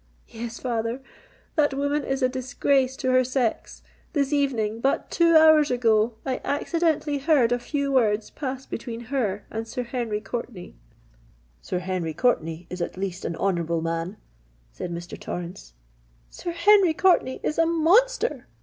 "Yes, father—that woman is a disgrace to her sex! This evening—but two hours ago—I accidentally heard a few words pass between her and Sir Henry Courtenay——" "Sir Henry Courtenay is at least an honourable man," said Mr. Torrens. "Sir Henry Courtenay is a monster!"